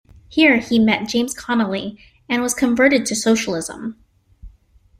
Here he met James Connolly and was converted to socialism.